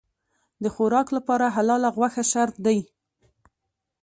د خوراک لپاره حلاله غوښه شرط دی.